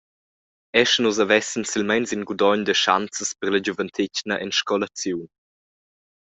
E sche nus havessen silmeins in gudogn da schanzas per la giuventetgna en scolaziun!